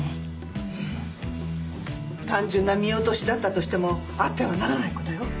単純な見落としだったとしてもあってはならない事よ。